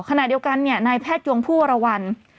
ขณะเดียวกันนายแพทยุงผู้วัรวัน